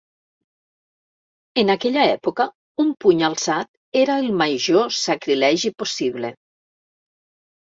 En aquella època un puny alçat era el major sacrilegi possible.